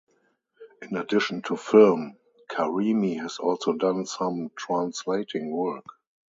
In addition to film, Karimi has also done some translating work.